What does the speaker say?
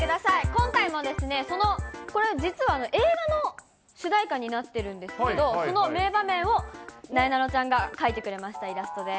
今回も、これは実は映画の主題歌になってるんですけど、その名場面をなえなのちゃんが描いてくれました、イラストで。